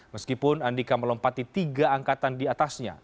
meskipun andika melompati tiga angkatan di atasnya